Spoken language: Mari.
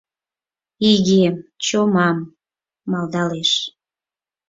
«Игем, чомам» малдалеш.